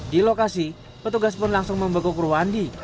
di lokasi petugas pun langsung membeku kru andi